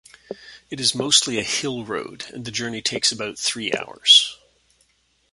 It is mostly a hill road and the journey takes about three hours.